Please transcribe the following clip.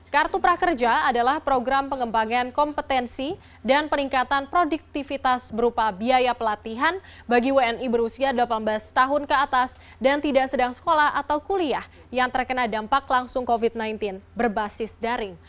kartu prakerja adalah program pengembangan kompetensi dan peningkatan produktivitas berupa biaya pelatihan bagi wni berusia delapan belas tahun ke atas dan tidak sedang sekolah atau kuliah yang terkena dampak langsung covid sembilan belas berbasis daring